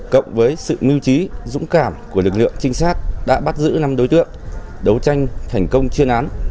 cộng với sự mưu trí dũng cảm của lực lượng trinh sát đã bắt giữ năm đối tượng đấu tranh thành công chuyên án